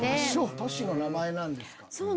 都市の名前なんですか。